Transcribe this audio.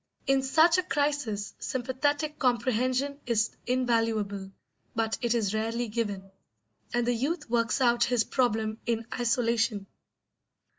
In such a crisis sympathetic comprehension is invaluable, but it is rarely given, and the youth works out his problem in isolation.